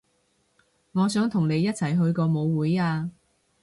我想同你一齊去個舞會啊